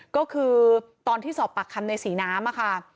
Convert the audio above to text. ก็คือตอนที่สอบปากคำในศรีน้ำค่ะ